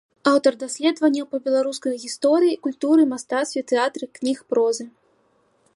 Аўтар даследаванняў па беларускай гісторыі, культуры, мастацтве, тэатры, кніг прозы.